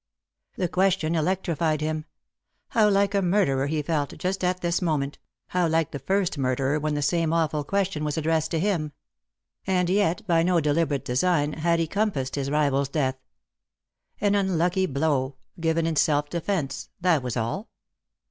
The question electrified him. How like a murderer he felt just at this moment — how like the first murderer when the same awful question was addressed to him ! And yet by no deliberate design had he compassed his rival's death. An unlucky blow — given in self defence — that was all.